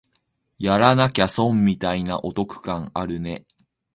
やらなきゃ損みたいなお得感あるね